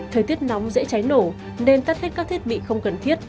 thời tiết nóng dễ cháy nổ nên tắt hết các thiết bị không cần thiết